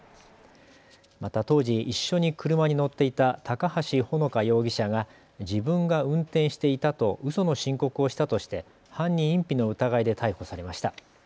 また当時一緒に車に乗っていた高橋萌華容疑者が自分が運転していたと、うその申告をしたとして犯人隠避の疑いで逮捕されました。